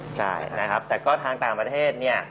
ใช่แต่ก็ทางต่างประเทศเนี่ย